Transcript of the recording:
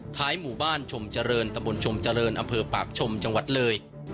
หมู่บ้านชมเจริญตำบลชมเจริญอำเภอปากชมจังหวัดเลย